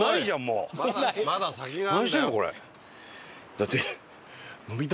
だって。